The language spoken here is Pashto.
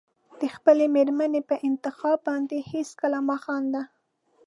د خپلې مېرمنې په انتخاب باندې هېڅکله مه خانده.